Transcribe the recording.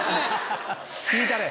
聞いたれ。